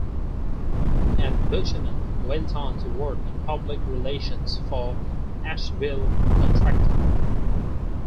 And Buchanan went on to work in public relations for Asheville Contracting.